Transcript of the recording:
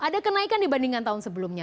ada kenaikan dibandingkan tahun sebelumnya